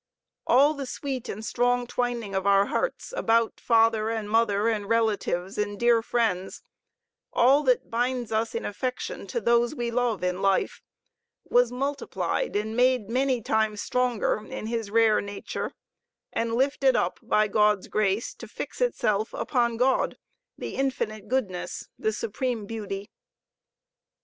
All the sweet and strong twining of our hearts about father and mother and relatives and dear friends, all that binds us in affection to those we love in life, was multiplied and made many times stronger in his rare nature and lifted up by God's grace to fix itself upon God, the infinite Goodness, the supreme Beauty.